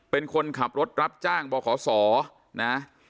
เป็นคนขับรถรับจ้างบขศนะ